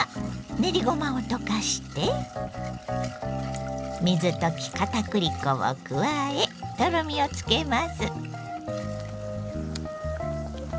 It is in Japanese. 練りごまを溶かして水溶きかたくり粉を加えとろみをつけます。